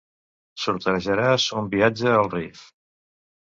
Sortejaràs un viatge al Rif.